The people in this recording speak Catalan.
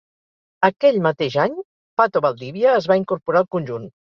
Aquell mateix any, Pato Valdivia es va incorporar al conjunt.